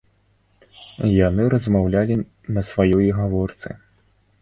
Яны размаўлялі на сваёй гаворцы.